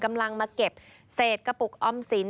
กำลังมาเก็บเศษกระปุกออมสิน